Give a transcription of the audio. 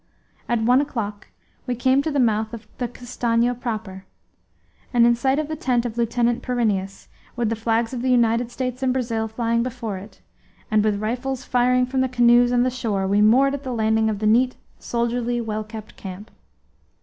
At one o'clock we came to the mouth of the Castanho proper, and in sight of the tent of Lieutenant Pyrineus, with the flags of the United States and Brazil flying before it; and, with rifles firing from the canoes and the shore, we moored at the landing of the neat, soldierly, well kept camp.